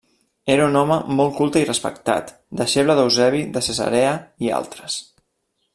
Era un home molt culte i respectat deixeble d'Eusebi de Cesarea i altres.